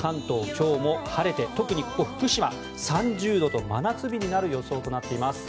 今日も晴れて特にここ福島、３０度と真夏日になる予想となっています。